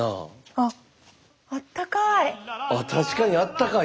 あったかいあったかい。